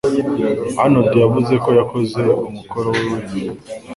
Arnaud yavuze ko yakoze umukoro we wenyine.